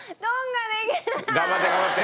頑張って頑張って。